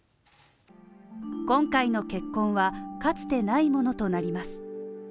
今回の結婚はかつてないものとなります。